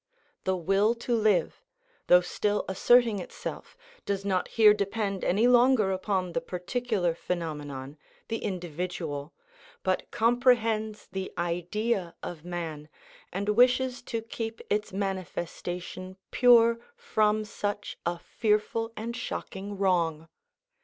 The will to live, though still asserting itself, does not here depend any longer upon the particular phenomenon, the individual, but comprehends the Idea of man, and wishes to keep its manifestation pure from such a fearful and shocking wrong.